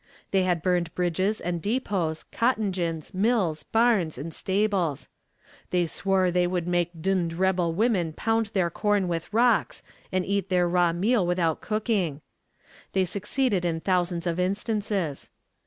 They had burned bridges and depots, cotton gins, mills, barns, and stables. They swore they would make the d d rebel women pound their corn with rocks, and eat their raw meal without cooking. They succeeded in thousands of instances.